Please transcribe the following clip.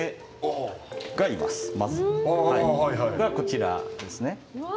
がこちらですね。